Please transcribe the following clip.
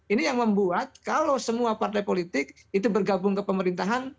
ini yang membuat kalau semua partai politik itu bergabung ke pemerintahan